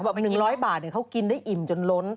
๑๐๐บาทเขากินได้อิ่มจนล้น